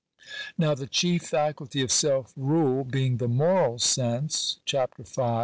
Now the ehief faculty of self rule being the moral sense ((5hap. V.).